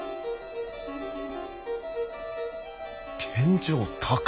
天井高っ！